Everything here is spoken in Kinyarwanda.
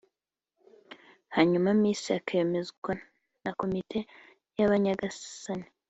hanyuma Miss akemezwa na komite y’Abanyagasani